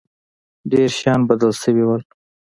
ډېر شيان بدل سوي وو.